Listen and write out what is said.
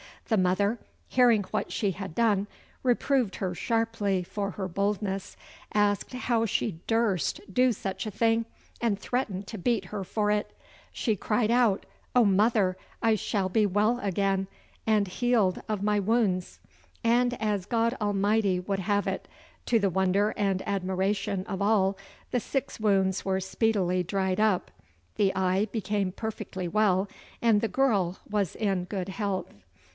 The mother, hearing what she had done, reproved her sharply for her boldness, asked how she durst do such a thing, and threatened to beat her for it. She cried out, "Oh, mother, I shall be well again, and healed of my wounds!" And as God Almighty would have it, to the wonder and admiration of all, the six wounds were speedily dried up, the eye became perfectly well, and the girl was in good health.